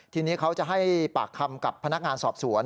ทีนี้เขาจะให้ปากคำกับพนักงานสอบสวน